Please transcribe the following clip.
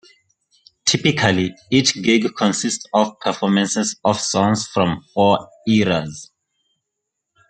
Typically, each gig consists of performances of songs from four eras.